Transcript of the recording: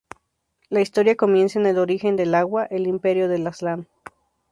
La historia comienza en el origen del agua, el Imperio de Aslan.